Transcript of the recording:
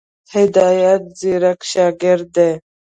هدایت ځيرک شاګرد دی.